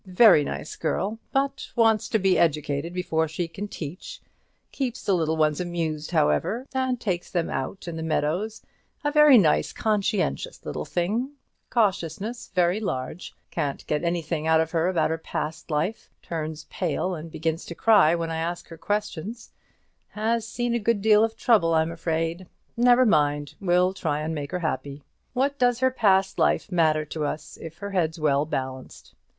Very nice girl, but wants to be educated before she can teach; keeps the little ones amused, however, and takes them out in the meadows; a very nice, conscientious little thing; cautiousness very large; can't get anything out of her about her past life; turns pale and begins to cry when I ask her questions; has seen a good deal of trouble, I'm afraid. Never mind; we'll try and make her happy. What does her past life matter to us if her head's well balanced?